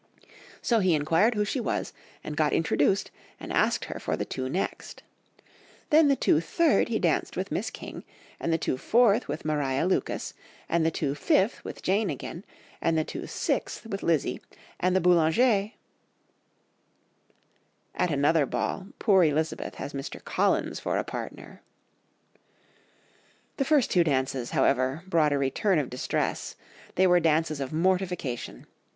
So he inquired who she was, and got introduced, and asked her for the two next. Then the two third he danced with Miss King, and the two fourth with Maria Lucas, and the two fifth with Jane again, and the two sixth with Lizzy, and the Boulanger—'" At another ball poor Elizabeth has Mr. Collins for a partner— "The first two dances, however, brought a return of distress; they were dances of mortification.